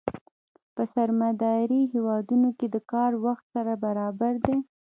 په سرمایه داري هېوادونو کې د کار وخت سره برابر دی